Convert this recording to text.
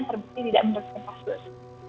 terbukti tidak menurutkan kasus